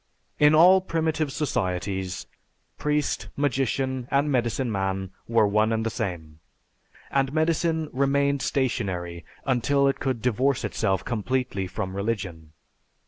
In all primitive societies, priest, magician, and medicine man were one and the same; and medicine remained stationary until it could divorce itself completely from religion.